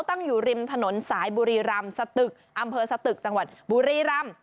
ตั้งอยู่ริมถนนสายบุรีรำสตึกอำเภอสตึกจังหวัดบุรีรำ